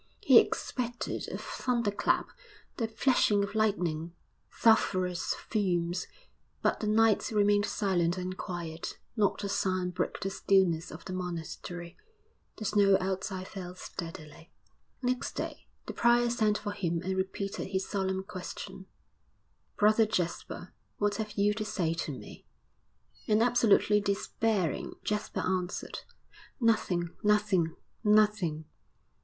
He expected a thunderclap, the flashing of lightning, sulphurous fumes but the night remained silent and quiet; not a sound broke the stillness of the monastery; the snow outside fell steadily. VI Next day the prior sent for him and repeated his solemn question. 'Brother Jasper, what have you to say to me?' And absolutely despairing, Jasper answered, 'Nothing, nothing, nothing!'